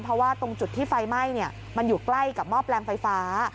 เพราะว่าตรงจุดที่ไฟไหม้มันอยู่ใกล้กับหม้อแปลงไฟฟ้า